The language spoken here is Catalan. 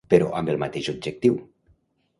Però amb el mateix objectiu.